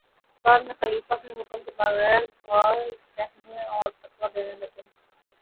بعد میں خلیفہ کے حکم کے بغیر وعظ کہنے اور فتویٰ دینے لگے